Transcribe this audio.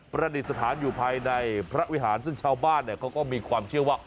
ประดิษฐานอยู่ภายในพระวิหารซึ่งชาวบ้านเขาก็มีความเชื่อว่า